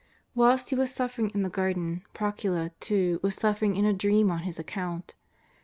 Whilst He was suffering in the Garden, Procula, too, was suffering in a dream on His account.